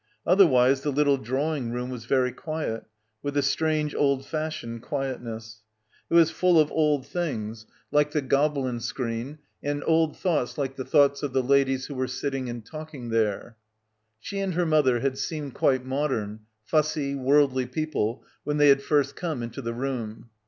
Otherwise the little drawing room was very quiet, with a strange old fashioned quietness. It was full of old things, like the Gobelin screen, and old thoughts like the thoughts of the ladies who were sitting — 9 — PILGRIMAGE and talking there. She and her mother had seemed quite modern, fussy, worldly people when they had first come into the room.